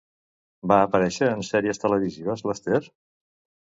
Va aparèixer en sèries televisives, l'Ester?